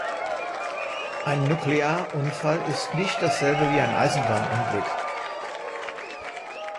Ein Nuklearunfall ist nicht dasselbe wie ein Eisenbahnunglück.